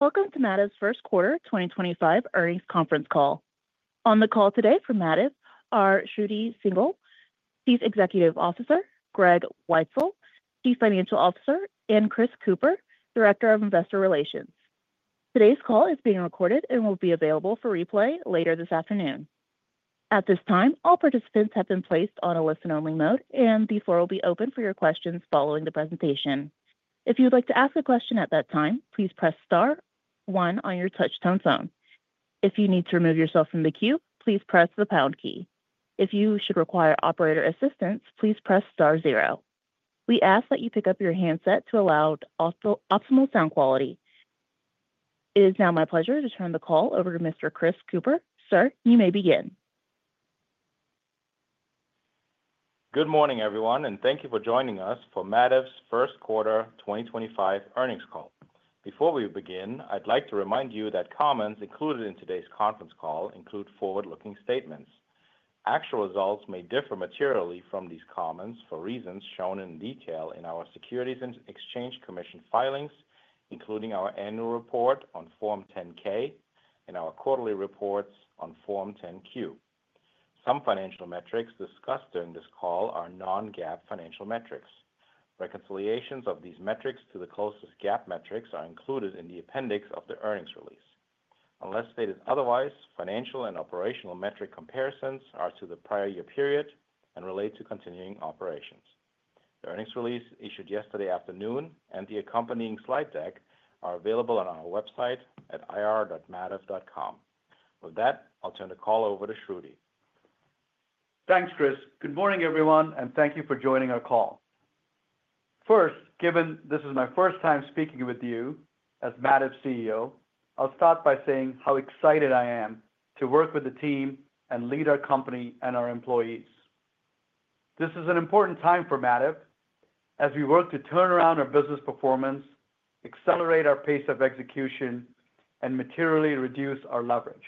Welcome to Mativ's First Quarter 2025 Earnings Conference Call. On the call today for Mativ are Shruti Singhal, Chief Executive Officer, Greg Weitzel, Chief Financial Officer, and Chris Kuepper, Director of Investor Relations. Today's call is being recorded and will be available for replay later this afternoon. At this time, all participants have been placed on a listen-only mode, and the floor will be open for your questions following the presentation. If you would like to ask a question at that time, please press Star one on your touch-tone phone. If you need to remove yourself from the queue, please press the pound key. If you should require operator assistance, please press Star zero. We ask that you pick up your handset to allow optimal sound quality. It is now my pleasure to turn the call over to Mr. Chris Kuepper. Sir, you may begin. Good morning, everyone, and thank you for joining us for Mativ's First Quarter 2025 Earnings Call. Before we begin, I'd like to remind you that comments included in today's conference call include forward-looking statements. Actual results may differ materially from these comments for reasons shown in detail in our Securities and Exchange Commission filings, including our annual report on Form 10-K and our quarterly reports on Form 10-Q. Some financial metrics discussed during this call are non-GAAP financial metrics. Reconciliations of these metrics to the closest GAAP metrics are included in the appendix of the earnings release. Unless stated otherwise, financial and operational metric comparisons are to the prior year period and relate to continuing operations. The earnings release issued yesterday afternoon and the accompanying slide deck are available on our website at ir.mativ.com. With that, I'll turn the call over to Shruti. Thanks, Chris. Good morning, everyone, and thank you for joining our call. First, given this is my first time speaking with you as Mativ CEO, I'll start by saying how excited I am to work with the team and lead our company and our employees. This is an important time for Mativ as we work to turn around our business performance, accelerate our pace of execution, and materially reduce our leverage.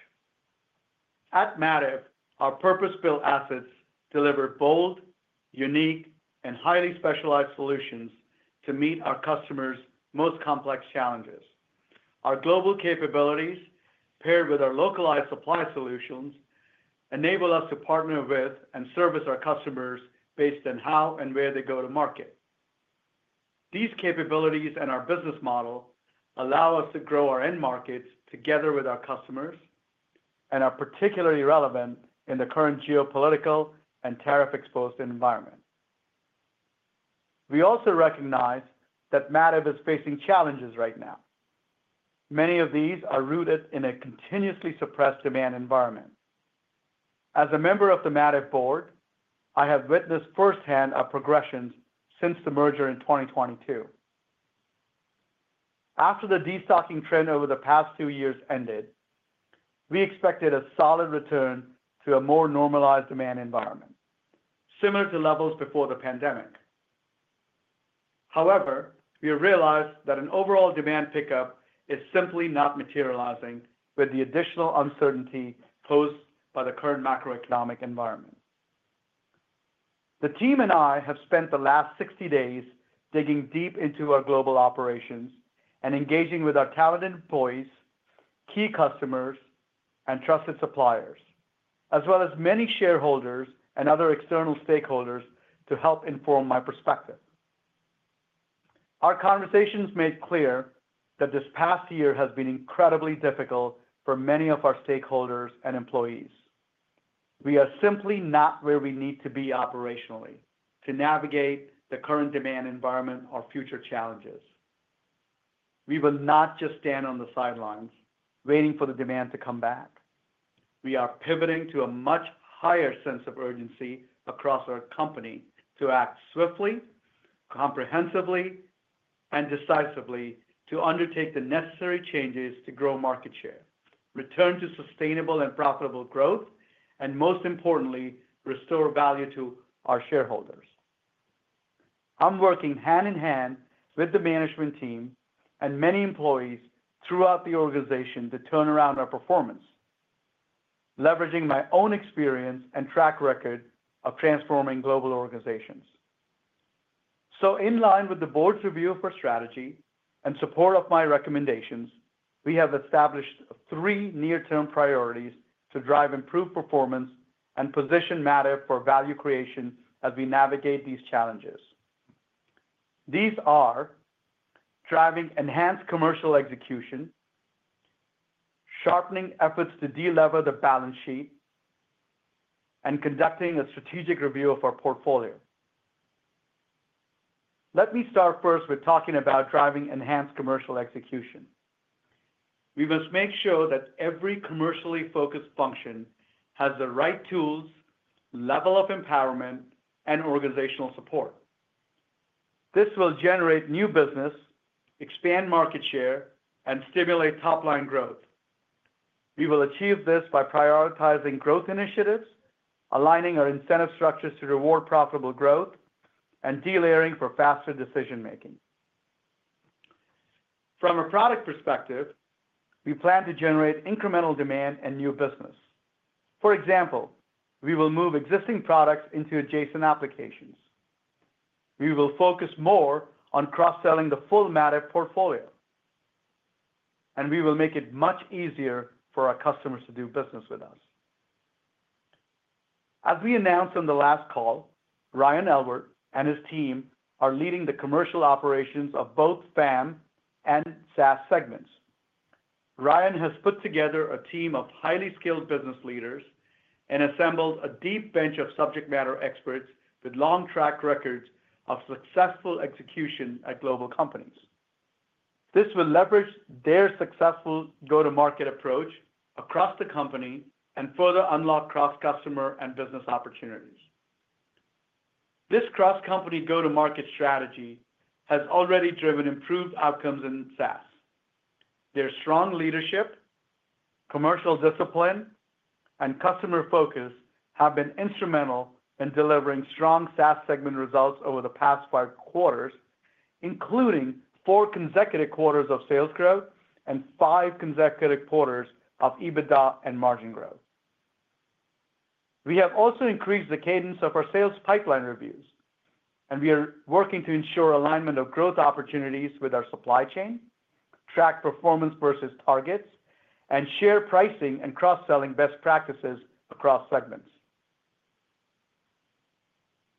At Mativ, our purpose-built assets deliver bold, unique, and highly specialized solutions to meet our customers' most complex challenges. Our global capabilities, paired with our localized supply solutions, enable us to partner with and service our customers based on how and where they go to market. These capabilities and our business model allow us to grow our end markets together with our customers and are particularly relevant in the current geopolitical and tariff-exposed environment. We also recognize that Mativ is facing challenges right now. Many of these are rooted in a continuously suppressed demand environment. As a member of the Mativ board, I have witnessed firsthand our progressions since the merger in 2022. After the de-stocking trend over the past two years ended, we expected a solid return to a more normalized demand environment, similar to levels before the pandemic. However, we have realized that an overall demand pickup is simply not materializing with the additional uncertainty posed by the current macroeconomic environment. The team and I have spent the last 60 days digging deep into our global operations and engaging with our talented employees, key customers, and trusted suppliers, as well as many shareholders and other external stakeholders to help inform my perspective. Our conversations made clear that this past year has been incredibly difficult for many of our stakeholders and employees. We are simply not where we need to be operationally to navigate the current demand environment or future challenges. We will not just stand on the sidelines waiting for the demand to come back. We are pivoting to a much higher sense of urgency across our company to act swiftly, comprehensively, and decisively to undertake the necessary changes to grow market share, return to sustainable and profitable growth, and most importantly, restore value to our shareholders. I'm working hand in hand with the management team and many employees throughout the organization to turn around our performance, leveraging my own experience and track record of transforming global organizations. In line with the board's review of our strategy and support of my recommendations, we have established three near-term priorities to drive improved performance and position Mativ for value creation as we navigate these challenges. These are driving enhanced commercial execution, sharpening efforts to de-level the balance sheet, and conducting a strategic review of our portfolio. Let me start first with talking about driving enhanced commercial execution. We must make sure that every commercially focused function has the right tools, level of empowerment, and organizational support. This will generate new business, expand market share, and stimulate top-line growth. We will achieve this by prioritizing growth initiatives, aligning our incentive structures to reward profitable growth, and de-layering for faster decision-making. From a product perspective, we plan to generate incremental demand and new business. For example, we will move existing products into adjacent applications. We will focus more on cross-selling the full Mativ portfolio, and we will make it much easier for our customers to do business with us. As we announced on the last call, Ryan Elwart and his team are leading the commercial operations of both FAM and SAS segments. Ryan has put together a team of highly skilled business leaders and assembled a deep bench of subject matter experts with long track records of successful execution at global companies. This will leverage their successful go-to-market approach across the company and further unlock cross-customer and business opportunities. This cross-company go-to-market strategy has already driven improved outcomes in SAS. Their strong leadership, commercial discipline, and customer focus have been instrumental in delivering strong SAS segment results over the past five quarters, including four consecutive quarters of sales growth and five consecutive quarters of EBITDA and margin growth. We have also increased the cadence of our sales pipeline reviews, and we are working to ensure alignment of growth opportunities with our supply chain, track performance versus targets, and share pricing and cross-selling best practices across segments.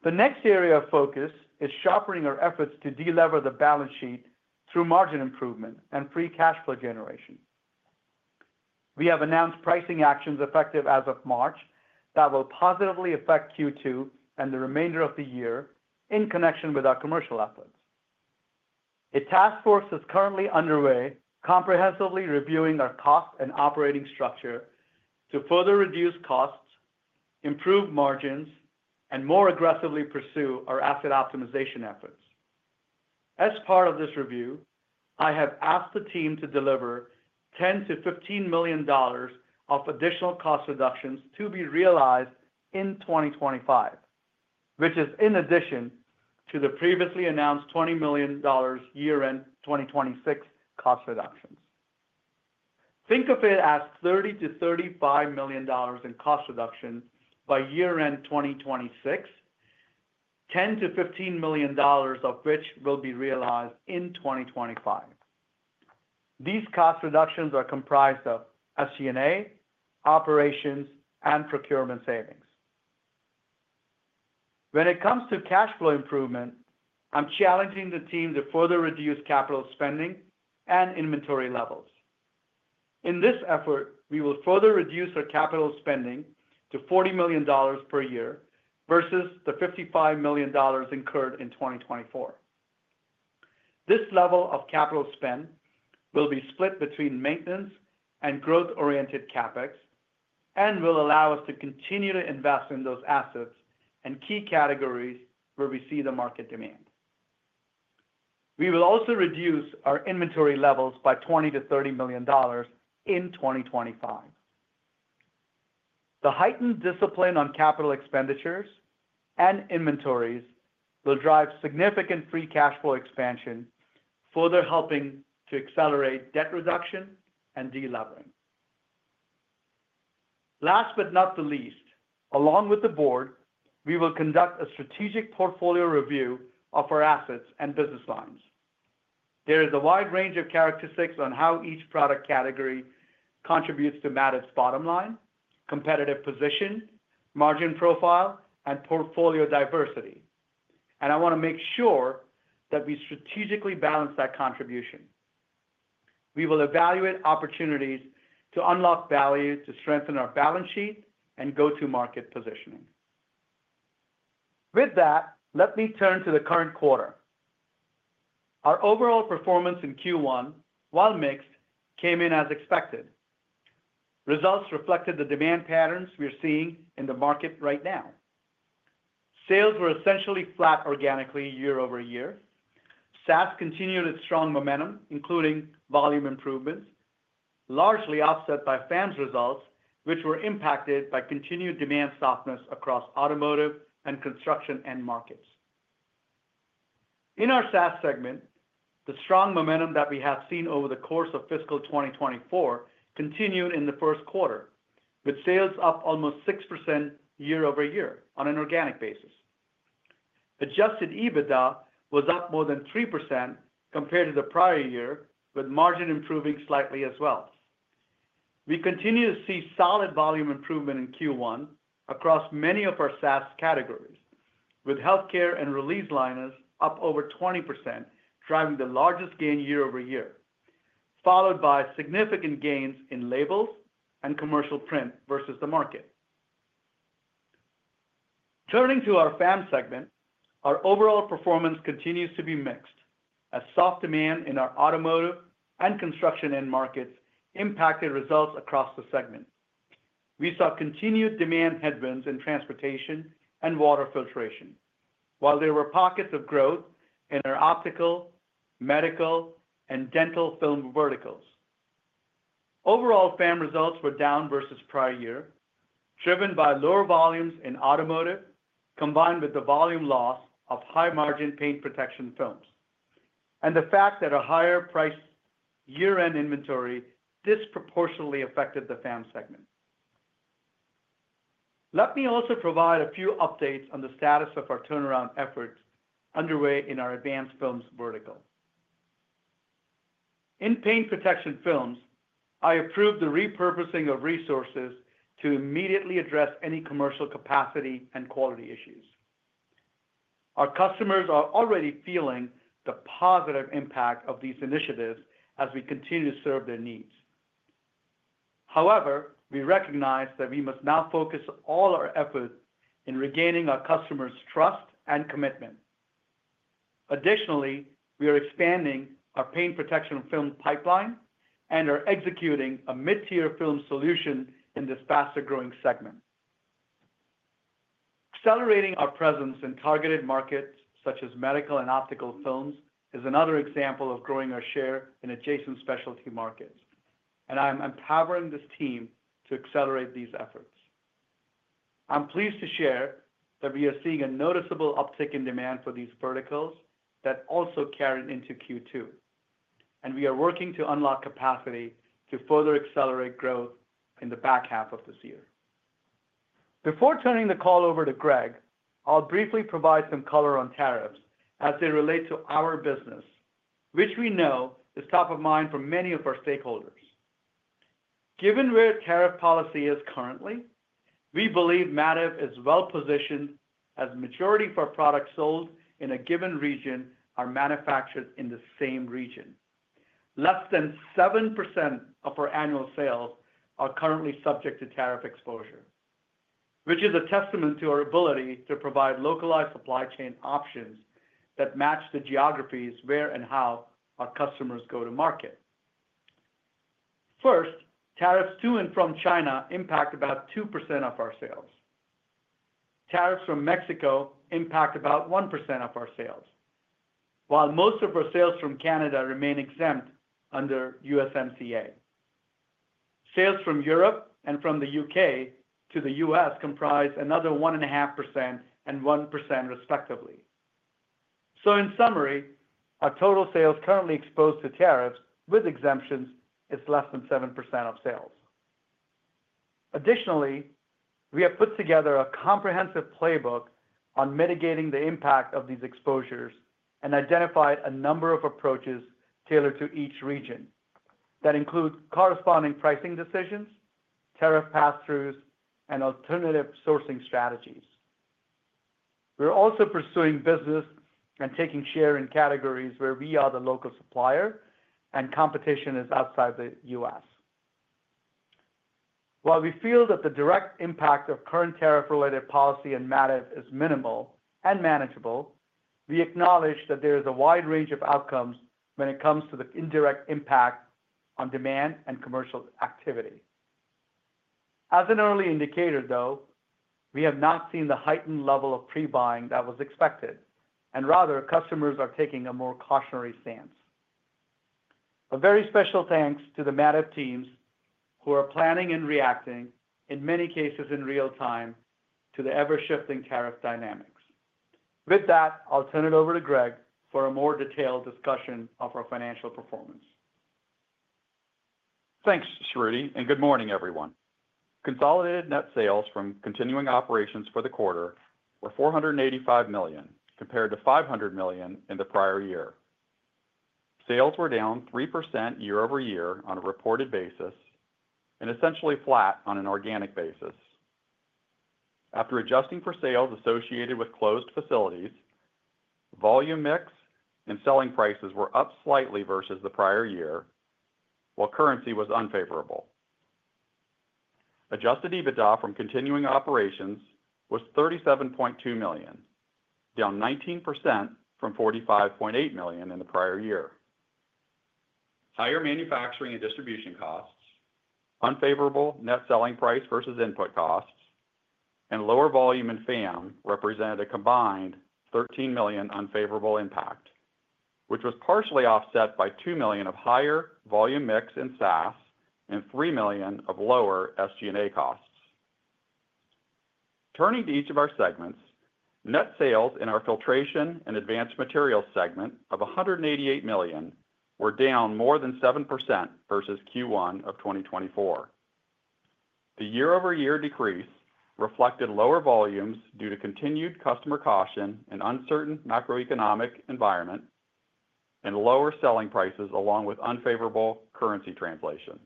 The next area of focus is sharpening our efforts to de-lever the balance sheet through margin improvement and free cash flow generation. We have announced pricing actions effective as of March that will positively affect Q2 and the remainder of the year in connection with our commercial efforts. A task force is currently underway comprehensively reviewing our cost and operating structure to further reduce costs, improve margins, and more aggressively pursue our asset optimization efforts. As part of this review, I have asked the team to deliver $10 million-$15 million of additional cost reductions to be realized in 2025, which is in addition to the previously announced $20 million year-end 2026 cost reductions. Think of it as $30 million-$35 million in cost reduction by year-end 2026, $10 million-$15 million of which will be realized in 2025. These cost reductions are comprised of SG&A, operations, and procurement savings. When it comes to cash flow improvement, I'm challenging the team to further reduce capital spending and inventory levels. In this effort, we will further reduce our capital spending to $40 million per year versus the $55 million incurred in 2024. This level of capital spend will be split between maintenance and growth-oriented CapEx and will allow us to continue to invest in those assets and key categories where we see the market demand. We will also reduce our inventory levels by $20 million-$30 million in 2025. The heightened discipline on capital expenditures and inventories will drive significant free cash flow expansion, further helping to accelerate debt reduction and de-leveling. Last but not the least, along with the board, we will conduct a strategic portfolio review of our assets and business lines. There is a wide range of characteristics on how each product category contributes to Mativ's bottom line, competitive position, margin profile, and portfolio diversity. I want to make sure that we strategically balance that contribution. We will evaluate opportunities to unlock value to strengthen our balance sheet and go-to-market positioning. With that, let me turn to the current quarter. Our overall performance in Q1, while mixed, came in as expected. Results reflected the demand patterns we're seeing in the market right now. Sales were essentially flat organically year over year. SAS continued its strong momentum, including volume improvements, largely offset by FAM's results, which were impacted by continued demand softness across Automotive and Construction end markets. In our SAS segment, the strong momentum that we have seen over the course of fiscal 2024 continued in the first quarter, with sales up almost 6% year over year on an organic basis. Adjusted EBITDA was up more than 3% compared to the prior year, with margin improving slightly as well. We continue to see solid volume improvement in Q1 across many of our SAS categories, with healthcare and release liners up over 20%, driving the largest gain year over year, followed by significant gains in labels and commercial print versus the market. Turning to our FAM segment, our overall performance continues to be mixed as soft demand in our Automotive and Construction end markets impacted results across the segment. We saw continued demand headwinds in Transportation and Water Filtration, while there were pockets of growth in our Optical, Medical, and Dental film verticals. Overall, FAM results were down versus prior year, driven by lower volumes in Automotive combined with the volume loss of high-margin paint protection films, and the fact that a higher-priced year-end inventory disproportionately affected the FAM segment. Let me also provide a few updates on the status of our turnaround efforts underway in our advanced films vertical. In paint protection films, I approved the repurposing of resources to immediately address any commercial capacity and quality issues. Our customers are already feeling the positive impact of these initiatives as we continue to serve their needs. However, we recognize that we must now focus all our efforts in regaining our customers' trust and commitment. Additionally, we are expanding our paint protection film pipeline and are executing a mid-tier film solution in this faster-growing segment. Accelerating our presence in targeted markets such as medical and optical films is another example of growing our share in adjacent specialty markets, and I'm empowering this team to accelerate these efforts. I'm pleased to share that we are seeing a noticeable uptick in demand for these verticals that also carried into Q2, and we are working to unlock capacity to further accelerate growth in the back half of this year. Before turning the call over to Greg, I'll briefly provide some color on tariffs as they relate to our business, which we know is top of mind for many of our stakeholders. Given where tariff policy is currently, we believe Mativ is well-positioned as majority of products sold in a given region are manufactured in the same region. Less than 7% of our annual sales are currently subject to tariff exposure, which is a testament to our ability to provide localized supply chain options that match the geographies where and how our customers go to market. First, tariffs to and from China impact about 2% of our sales. Tariffs from Mexico impact about 1% of our sales, while most of our sales from Canada remain exempt under USMCA. Sales from Europe and from the U.K. to the U.S. comprise another 1.5% and 1% respectively. In summary, our total sales currently exposed to tariffs with exemptions is less than 7% of sales. Additionally, we have put together a comprehensive playbook on mitigating the impact of these exposures and identified a number of approaches tailored to each region that include corresponding pricing decisions, tariff pass-throughs, and alternative sourcing strategies. We're also pursuing business and taking share in categories where we are the local supplier and competition is outside the U.S. While we feel that the direct impact of current tariff-related policy on Mativ is minimal and manageable, we acknowledge that there is a wide range of outcomes when it comes to the indirect impact on demand and commercial activity. As an early indicator, though, we have not seen the heightened level of pre-buying that was expected, and rather, customers are taking a more cautionary stance. A very special thanks to the Mativ teams who are planning and reacting, in many cases in real time, to the ever-shifting tariff dynamics. With that, I'll turn it over to Greg for a more detailed discussion of our financial performance. Thanks, Shruti, and good morning, everyone. Consolidated net sales from continuing operations for the quarter were $485 million compared to $500 million in the prior year. Sales were down 3% year over year on a reported basis and essentially flat on an organic basis. After adjusting for sales associated with closed facilities, volume mix and selling prices were up slightly versus the prior year, while currency was unfavorable. Adjusted EBITDA from continuing operations was $37.2 million, down 19% from $45.8 million in the prior year. Higher manufacturing and distribution costs, unfavorable net selling price versus input costs, and lower volume in FAM represented a combined $13 million unfavorable impact, which was partially offset by $2 million of higher volume mix in SAS and $3 million of lower SG&A costs. Turning to each of our segments, net sales in our Filtration and Advanced Materials segment of $188 million were down more than 7% versus Q1 of 2024. The year-over-year decrease reflected lower volumes due to continued customer caution and uncertain macroeconomic environment and lower selling prices along with unfavorable currency translation.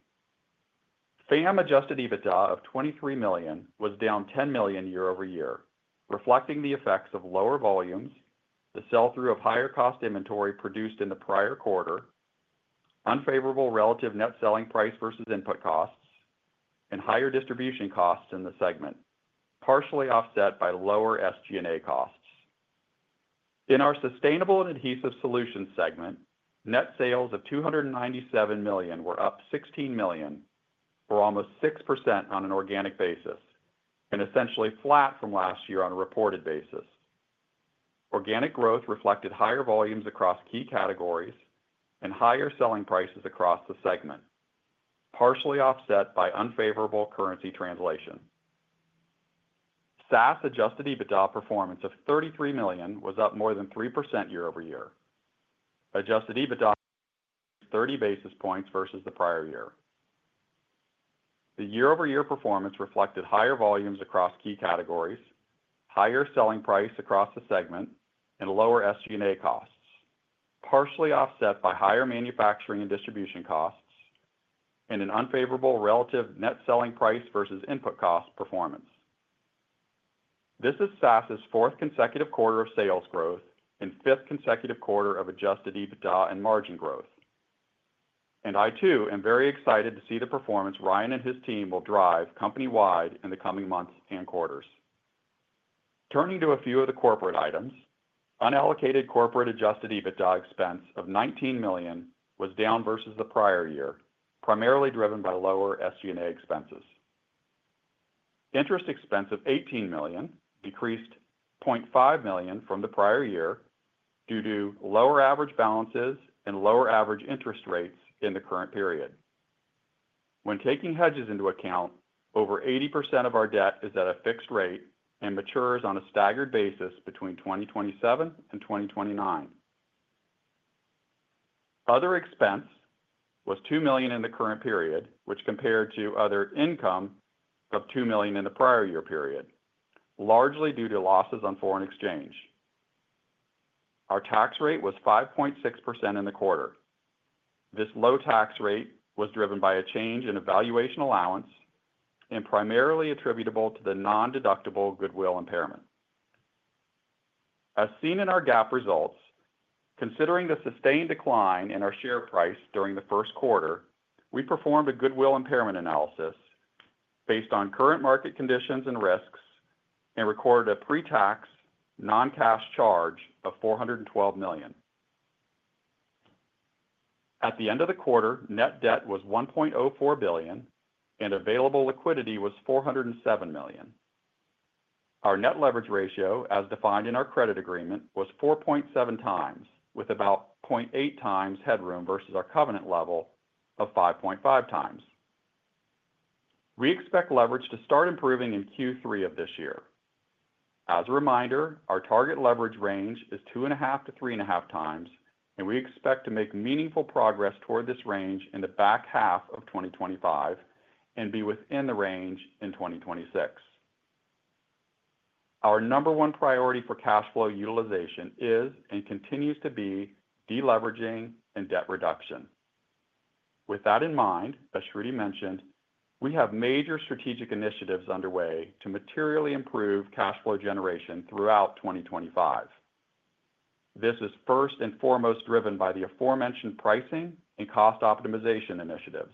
FAM adjusted EBITDA of $23 million was down $10 million year over year, reflecting the effects of lower volumes, the sell-through of higher-cost inventory produced in the prior quarter, unfavorable relative net selling price versus input costs, and higher distribution costs in the segment, partially offset by lower SG&A costs. In our Sustainable and Adhesive Solutions segment, net sales of $297 million were up $16 million, or almost 6% on an organic basis, and essentially flat from last year on a reported basis. Organic growth reflected higher volumes across key categories and higher selling prices across the segment, partially offset by unfavorable currency translation. SAS adjusted EBITDA performance of $33 million was up more than 3% year over year. Adjusted EBITDA was up 30 basis points versus the prior year. The year-over-year performance reflected higher volumes across key categories, higher selling price across the segment, and lower SG&A costs, partially offset by higher manufacturing and distribution costs and an unfavorable relative net selling price versus input cost performance. This is SAS's fourth consecutive quarter of sales growth and fifth consecutive quarter of adjusted EBITDA and margin growth. I too am very excited to see the performance Ryan and his team will drive company-wide in the coming months and quarters. Turning to a few of the corporate items, unallocated corporate adjusted EBITDA expense of $19 million was down versus the prior year, primarily driven by lower SG&A expenses. Interest expense of $18 million decreased $0.5 million from the prior year due to lower average balances and lower average interest rates in the current period. When taking hedges into account, over 80% of our debt is at a fixed rate and matures on a staggered basis between 2027 and 2029. Other expense was $2 million in the current period, which compared to other income of $2 million in the prior year period, largely due to losses on foreign exchange. Our tax rate was 5.6% in the quarter. This low tax rate was driven by a change in evaluation allowance and primarily attributable to the non-deductible goodwill impairment. As seen in our GAAP results, considering the sustained decline in our share price during the first quarter, we performed a goodwill impairment analysis based on current market conditions and risks and recorded a pre-tax non-cash charge of $412 million. At the end of the quarter, net debt was $1.04 billion, and available liquidity was $407 million. Our net leverage ratio, as defined in our credit agreement, was 4.7x, with about 0.8x headroom versus our covenant level of 5.5x. We expect leverage to start improving in Q3 of this year. As a reminder, our target leverage range is 2.5x-3.5x, and we expect to make meaningful progress toward this range in the back half of 2025 and be within the range in 2026. Our number one priority for cash flow utilization is and continues to be deleveraging and debt reduction. With that in mind, as Shruti mentioned, we have major strategic initiatives underway to materially improve cash flow generation throughout 2025. This is first and foremost driven by the aforementioned pricing and cost optimization initiatives.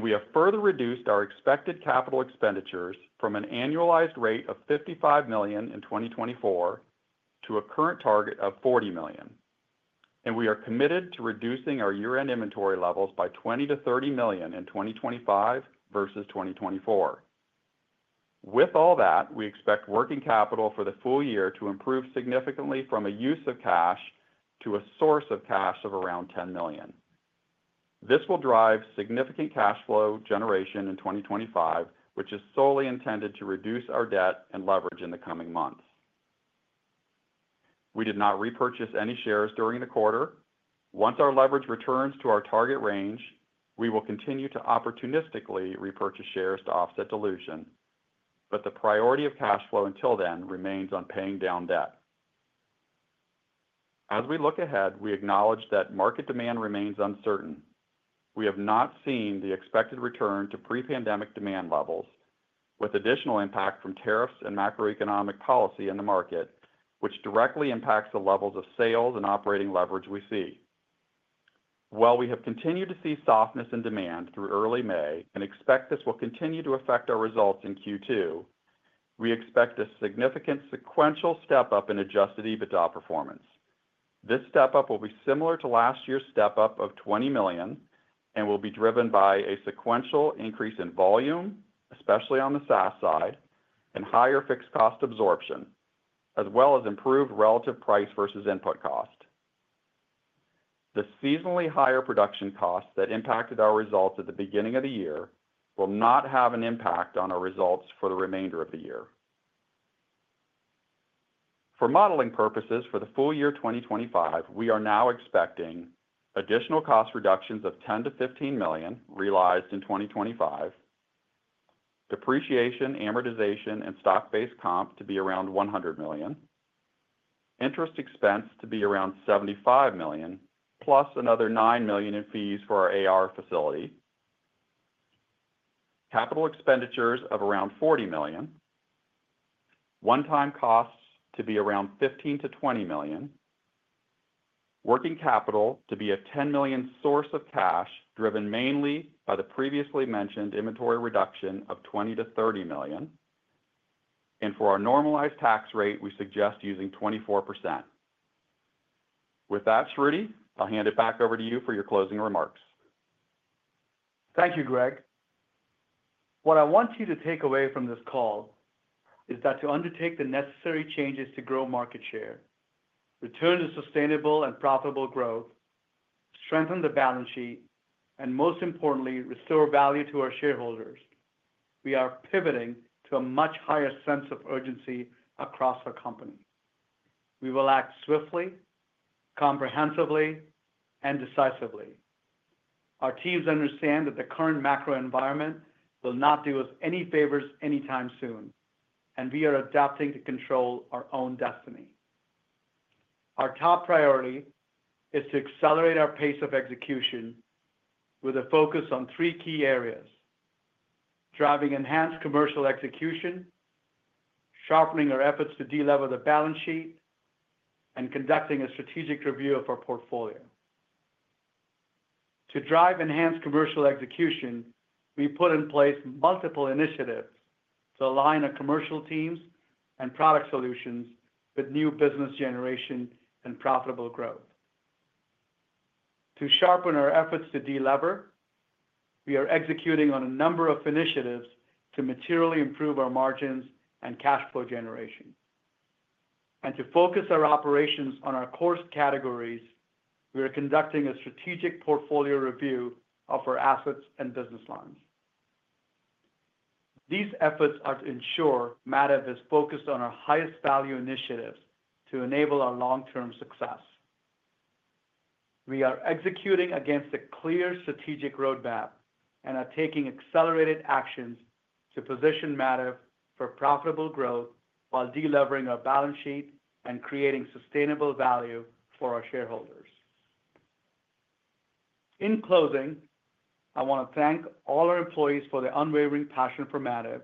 We have further reduced our expected capital expenditures from an annualized rate of $55 million in 2024 to a current target of $40 million. We are committed to reducing our year-end inventory levels by $20 million-$30 million in 2025 versus 2024. With all that, we expect working capital for the full year to improve significantly from a use of cash to a source of cash of around $10 million. This will drive significant cash flow generation in 2025, which is solely intended to reduce our debt and leverage in the coming months. We did not repurchase any shares during the quarter. Once our leverage returns to our target range, we will continue to opportunistically repurchase shares to offset dilution, but the priority of cash flow until then remains on paying down debt. As we look ahead, we acknowledge that market demand remains uncertain. We have not seen the expected return to pre-pandemic demand levels, with additional impact from tariffs and macroeconomic policy in the market, which directly impacts the levels of sales and operating leverage we see. While we have continued to see softness in demand through early May and expect this will continue to affect our results in Q2, we expect a significant sequential step-up in adjusted EBITDA performance. This step-up will be similar to last year's step-up of $20 million and will be driven by a sequential increase in volume, especially on the SAS side, and higher fixed cost absorption, as well as improved relative price versus input cost. The seasonally higher production costs that impacted our results at the beginning of the year will not have an impact on our results for the remainder of the year. For modeling purposes for the full year 2025, we are now expecting additional cost reductions of $10 million-$15 million realized in 2025, depreciation, amortization, and stock-based comp to be around $100 million, interest expense to be around $75 million, plus another $9 million in fees for our AR facility, capital expenditures of around $40 million, one-time costs to be around $15 million-$20 million, working capital to be a $10 million source of cash driven mainly by the previously mentioned inventory reduction of $20 million-$30 million, and for our normalized tax rate, we suggest using 24%. With that, Shruti, I'll hand it back over to you for your closing remarks. Thank you, Greg. What I want you to take away from this call is that to undertake the necessary changes to grow market share, return to sustainable and profitable growth, strengthen the balance sheet, and most importantly, restore value to our shareholders, we are pivoting to a much higher sense of urgency across our company. We will act swiftly, comprehensively, and decisively. Our teams understand that the current macro environment will not do us any favors anytime soon, and we are adapting to control our own destiny. Our top priority is to accelerate our pace of execution with a focus on three key areas: driving enhanced commercial execution, sharpening our efforts to delever the balance sheet, and conducting a strategic review of our portfolio. To drive enhanced commercial execution, we put in place multiple initiatives to align our commercial teams and product solutions with new business generation and profitable growth. To sharpen our efforts to delever, we are executing on a number of initiatives to materially improve our margins and cash flow generation. To focus our operations on our core categories, we are conducting a strategic portfolio review of our assets and business lines. These efforts are to ensure Mativ is focused on our highest value initiatives to enable our long-term success. We are executing against a clear strategic roadmap and are taking accelerated actions to position Mativ for profitable growth while delivering our balance sheet and creating sustainable value for our shareholders. In closing, I want to thank all our employees for their unwavering passion for Mativ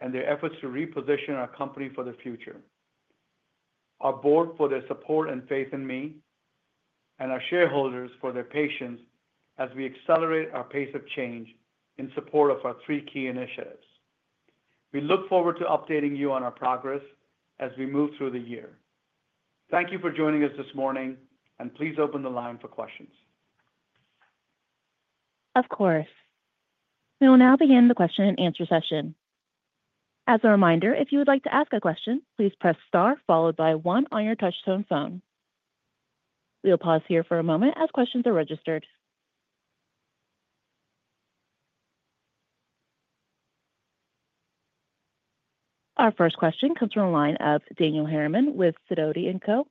and their efforts to reposition our company for the future. Our board for their support and faith in me, and our shareholders for their patience as we accelerate our pace of change in support of our three key initiatives. We look forward to updating you on our progress as we move through the year. Thank you for joining us this morning, and please open the line for questions. Of course. We will now begin the question and answer session. As a reminder, if you would like to ask a question, please press star followed by one on your touch-tone phone. We'll pause here for a moment as questions are registered. Our first question comes from a line of Daniel Harriman with Sidoti & Co.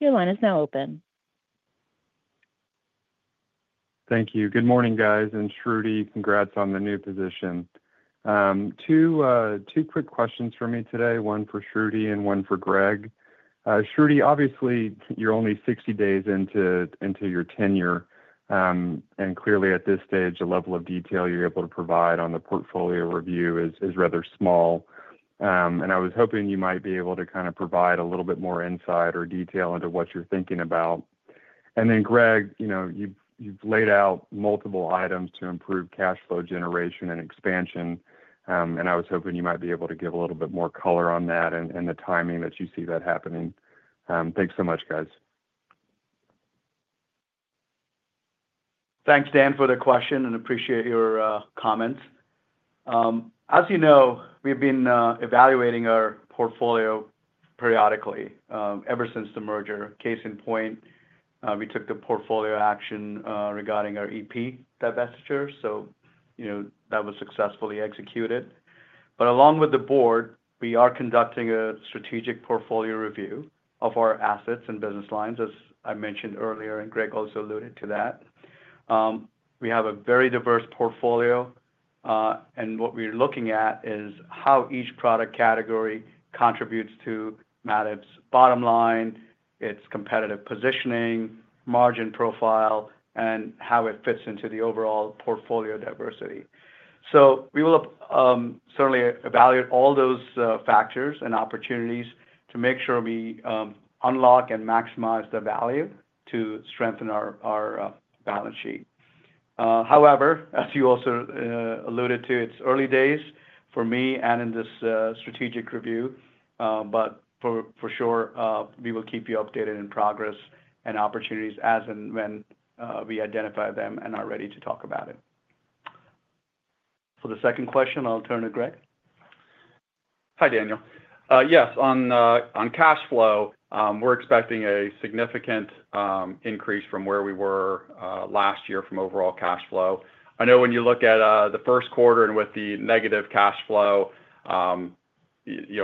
Your line is now open. Thank you. Good morning, guys. And Shruti, congrats on the new position. Two quick questions for me today, one for Shruti and one for Greg. Shruti, obviously, you're only 60 days into your tenure, and clearly at this stage, the level of detail you're able to provide on the portfolio review is rather small. I was hoping you might be able to kind of provide a little bit more insight or detail into what you're thinking about. Greg, you've laid out multiple items to improve cash flow generation and expansion, and I was hoping you might be able to give a little bit more color on that and the timing that you see that happening. Thanks so much, guys. Thanks, Dan, for the question, and appreciate your comments. As you know, we've been evaluating our portfolio periodically ever since the merger. Case in point, we took the portfolio action regarding our EP divestiture, so that was successfully executed. Along with the board, we are conducting a strategic portfolio review of our assets and business lines, as I mentioned earlier, and Greg also alluded to that. We have a very diverse portfolio, and what we're looking at is how each product category contributes to Mativ's bottom line, its competitive positioning, margin profile, and how it fits into the overall portfolio diversity. We will certainly evaluate all those factors and opportunities to make sure we unlock and maximize the value to strengthen our balance sheet. However, as you also alluded to, it's early days for me and in this strategic review, but for sure, we will keep you updated in progress and opportunities as and when we identify them and are ready to talk about it. For the second question, I'll turn to Greg. Hi, Daniel. Yes, on cash flow, we're expecting a significant increase from where we were last year from overall cash flow. I know when you look at the first quarter and with the negative cash flow, it's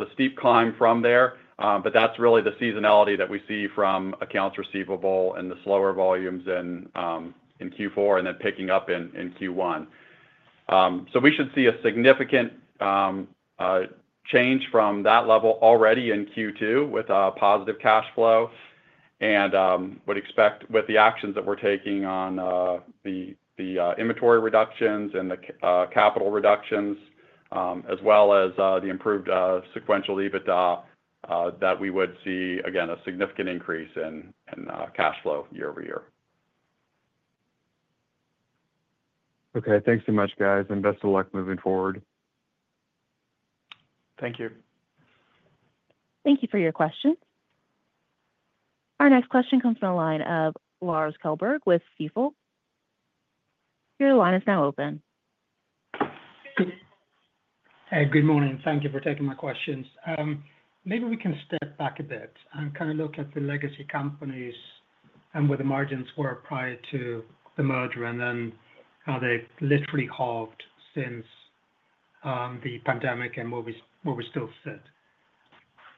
a steep climb from there, but that's really the seasonality that we see from accounts receivable and the slower volumes in Q4 and then picking up in Q1. We should see a significant change from that level already in Q2 with positive cash flow and would expect with the actions that we're taking on the inventory reductions and the capital reductions, as well as the improved sequential EBITDA, that we would see, again, a significant increase in cash flow year over year. Okay. Thanks so much, guys, and best of luck moving forward. Thank you. Thank you for your question. Our next question comes from a line of Lars Kjellberg with Stifel. Your line is now open. Hey, good morning. Thank you for taking my questions. Maybe we can step back a bit and kind of look at the legacy companies and where the margins were prior to the merger and then how they literally halved since the pandemic and where we still sit.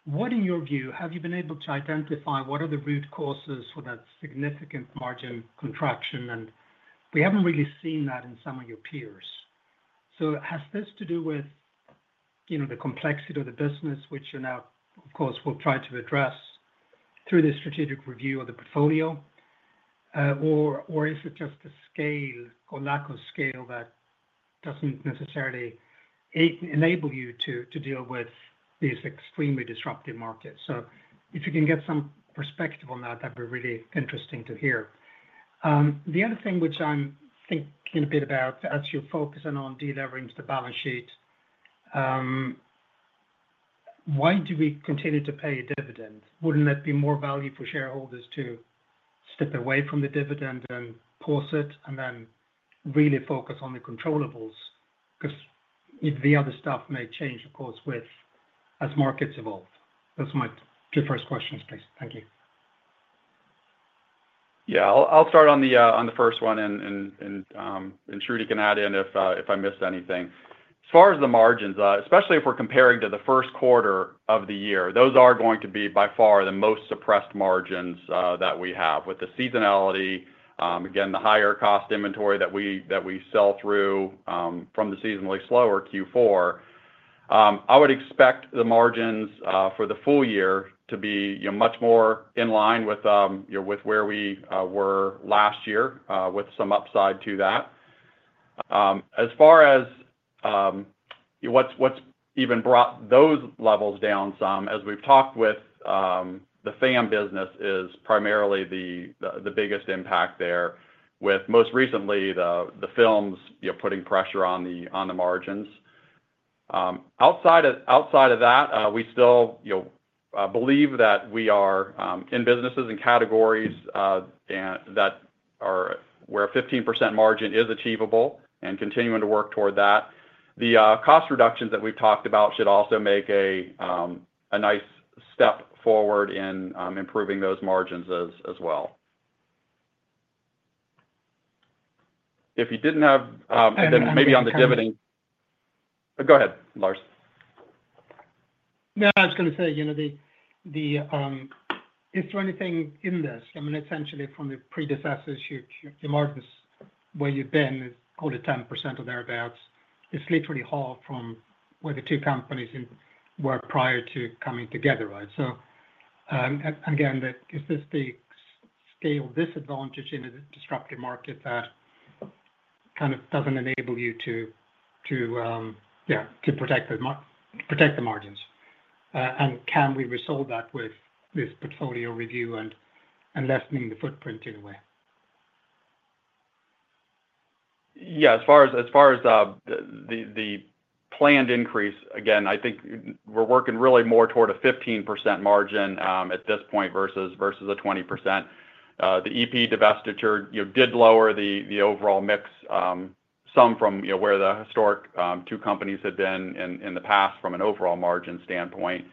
What, in your view, have you been able to identify what are the root causes for that significant margin contraction? We haven't really seen that in some of your peers. Has this to do with the complexity of the business, which you now, of course, will try to address through this strategic review of the portfolio, or is it just the scale or lack of scale that doesn't necessarily enable you to deal with these extremely disruptive markets? If you can get some perspective on that, that'd be really interesting to hear. The other thing which I'm thinking a bit about as you're focusing on delivering to the balance sheet, why do we continue to pay a dividend? Wouldn't that be more value for shareholders to step away from the dividend and pause it and then really focus on the controllables, because the other stuff may change, of course, as markets evolve? Those are my two first questions, please. Thank you. Yeah, I'll start on the first one, and Shruti can add in if I missed anything. As far as the margins, especially if we're comparing to the first quarter of the year, those are going to be by far the most suppressed margins that we have. With the seasonality, again, the higher cost inventory that we sell through from the seasonally slower Q4, I would expect the margins for the full year to be much more in line with where we were last year, with some upside to that. As far as what's even brought those levels down some, as we've talked with the FAM business, is primarily the biggest impact there, with most recently the films putting pressure on the margins. Outside of that, we still believe that we are in businesses and categories that are where a 15% margin is achievable and continuing to work toward that. The cost reductions that we've talked about should also make a nice step forward in improving those margins as well. If you didn't have maybe on the dividend go ahead, Lars. No, I was going to say, is there anything in this? I mean, essentially from the predecessors, your margins where you've been is called a 10% or thereabouts. It's literally halved from where the two companies were prior to coming together, right? Again, is this the scale disadvantage in a disruptive market that kind of doesn't enable you to protect the margins? Can we resolve that with this portfolio review and lessening the footprint in a way? Yeah, as far as the planned increase, again, I think we're working really more toward a 15% margin at this point versus a 20%. The EP divestiture did lower the overall mix some from where the historic two companies had been in the past from an overall margin standpoint.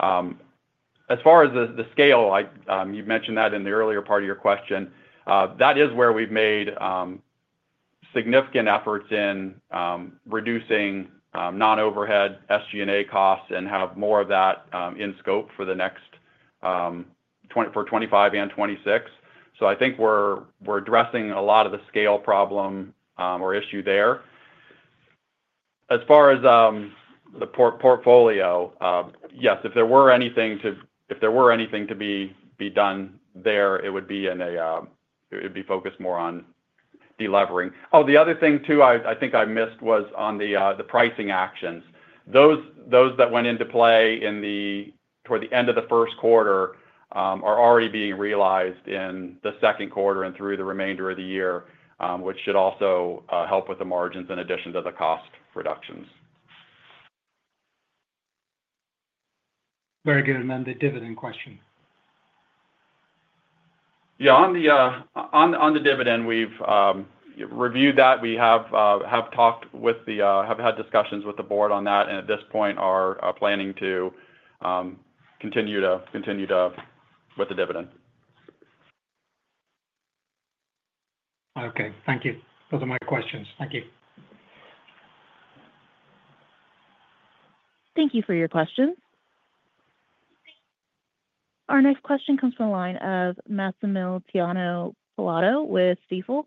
As far as the scale, you mentioned that in the earlier part of your question. That is where we've made significant efforts in reducing non-overhead SG&A costs and have more of that in scope for 2025 and 2026. I think we're addressing a lot of the scale problem or issue there. As far as the portfolio, yes, if there were anything to be done there, it would be focused more on delevering. Oh, the other thing I think I missed was on the pricing actions. Those that went into play toward the end of the first quarter are already being realized in the second quarter and through the remainder of the year, which should also help with the margins in addition to the cost reductions. Very good. The dividend question. Yeah, on the dividend, we've reviewed that. We have had discussions with the board on that, and at this point, are planning to continue with the dividend. Okay. Thank you. Those are my questions. Thank you. Thank you for your questions. Our next question comes from a line of Massimiliano Pilato with Stifel.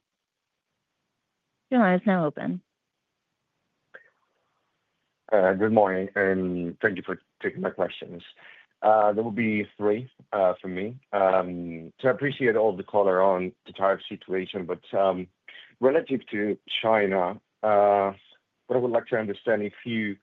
Your line is now open. Good morning, and thank you for taking my questions. There will be three from me. I appreciate all the call around the tariff situation, but relative to China, what I would like to understand is if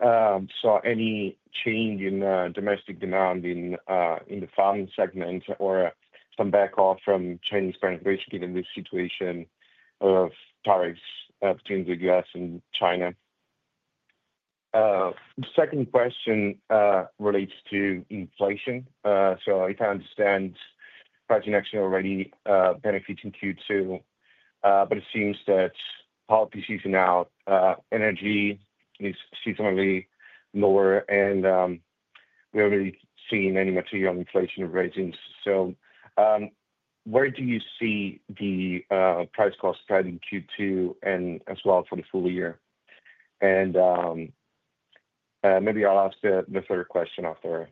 you saw any change in domestic demand in the FAM segment or some back off from Chinese penetration in this situation of tariffs between the U.S. and China. The second question relates to inflation. If I understand, private sector already benefiting Q2, but it seems that policy season now, energy is seasonally lower, and we have not really seen any material inflation or raisings. Where do you see the price cost spreading Q2 and as well for the full year? Maybe I will ask the third question after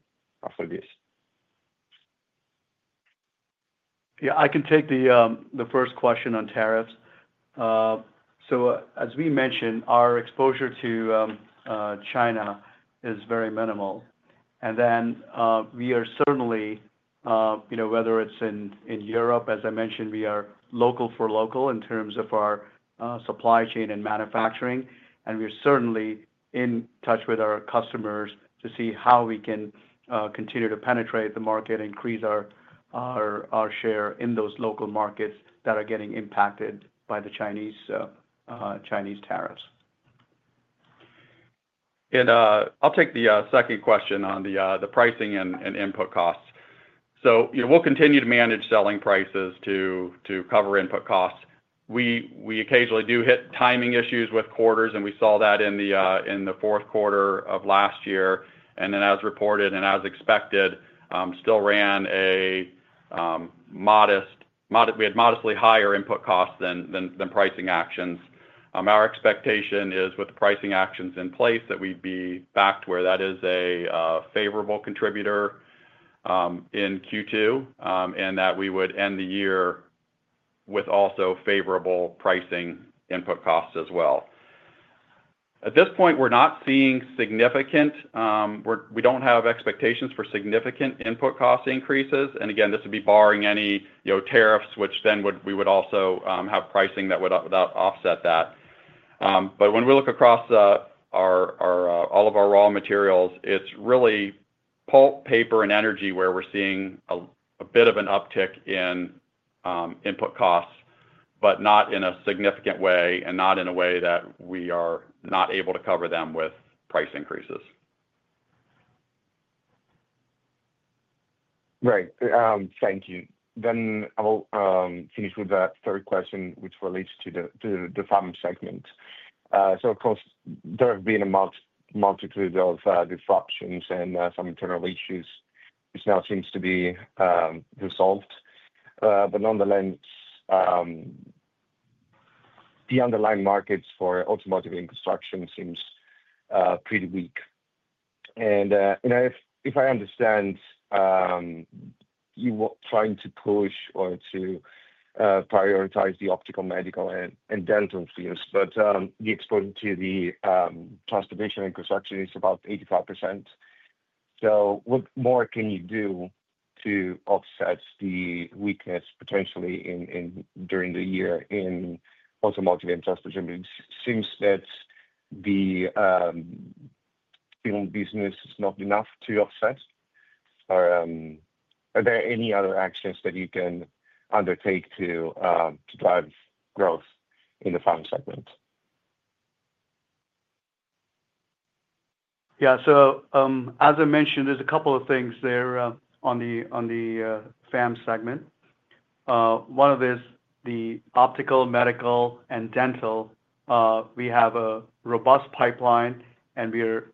this. Yeah, I can take the first question on tariffs. As we mentioned, our exposure to China is very minimal. We are certainly, whether it is in Europe, as I mentioned, we are local for local in terms of our supply chain and manufacturing, and we are certainly in touch with our customers to see how we can continue to penetrate the market and increase our share in those local markets that are getting impacted by the Chinese tariffs. I will take the second question on the pricing and input costs. We will continue to manage selling prices to cover input costs. We occasionally do hit timing issues with quarters, and we saw that in the fourth quarter of last year. As reported and as expected, we still ran a modest, we had modestly higher input costs than pricing actions. Our expectation is with the pricing actions in place that we would be back to where that is a favorable contributor in Q2 and that we would end the year with also favorable pricing input costs as well. At this point, we are not seeing significant, we do not have expectations for significant input cost increases. Again, this would be barring any tariffs, which then we would also have pricing that would offset that. When we look across all of our raw materials, it's really Pulp, Paper, and Energy where we're seeing a bit of an uptick in input costs, but not in a significant way and not in a way that we are not able to cover them with price increases. Right. Thank you. I will finish with that third question, which relates to the FAM segment. Of course, there have been a multitude of disruptions and some internal issues. It now seems to be resolved. Nonetheless, the underlying markets for Automotive and Construction seem pretty weak. If I understand, you were trying to push or to prioritize the Optical, Medical, and Dental films, but the exposure to the transportation and construction is about 85%. What more can you do to offset the weakness potentially during the year in Automotive and Transportation? It seems that the film business is not enough to offset. Are there any other actions that you can undertake to drive growth in the FAM segment? Yeah. As I mentioned, there are a couple of things there on the FAM segment. One of them is the Optical, Medical, and Dental. We have a robust pipeline, and those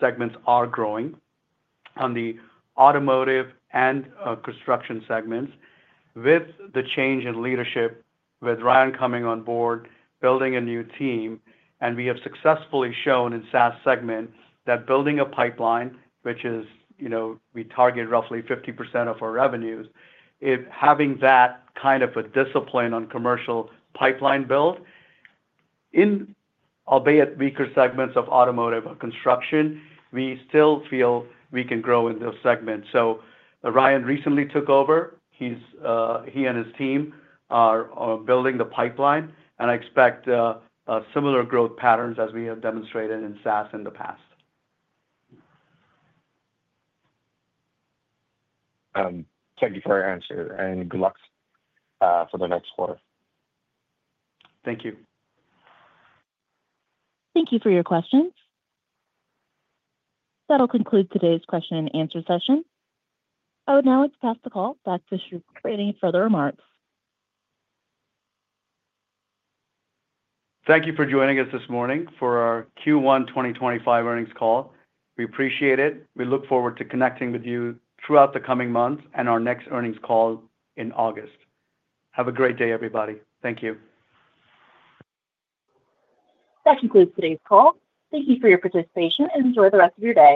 segments are growing on the Automotive and Construction segments. With the change in leadership, with Ryan coming on board, building a new team, and we have successfully shown in SAS segment that building a pipeline, which is we target roughly 50% of our revenues, having that kind of a discipline on commercial pipeline build, albeit weaker segments of Automotive and Construction, we still feel we can grow in those segments. Ryan recently took over. He and his team are building the pipeline, and I expect similar growth patterns as we have demonstrated in SAS in the past. Thank you for your answer, and good luck for the next quarter. Thank you. Thank you for your questions. That will conclude today's question and answer session. I would now like to pass the call back to Shruti for any further remarks. Thank you for joining us this morning for our Q1 2025 Earnings Call. We appreciate it. We look forward to connecting with you throughout the coming months and our next earnings call in August. Have a great day, everybody. Thank you. That concludes today's call. Thank you for your participation, and enjoy the rest of your day.